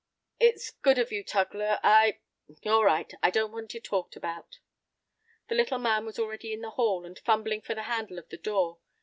"It's good of you, Tugler. I—" "All right. I don't want it talked about." The little man was already in the hall, and fumbling for the handle of the front door.